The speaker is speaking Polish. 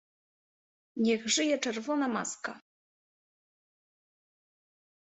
Niech żyje Czerwona Maska!